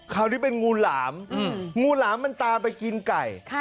คราวนี้เป็นงูหลามงูหลามมันตามไปกินไก่